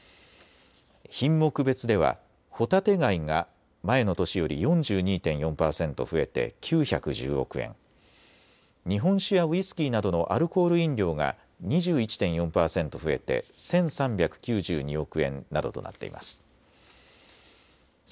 品目別ではホタテ貝が前の年より４２．４％増えて９１０億円、日本酒やウイスキーなどのアルコール飲料が２１．４％増えて１３９２億円などとなっています。